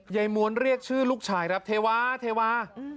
ม้วนเรียกชื่อลูกชายครับเทวาเทวา